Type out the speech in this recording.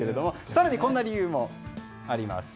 更にこんな理由もあります。